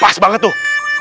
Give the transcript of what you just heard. pas banget tuh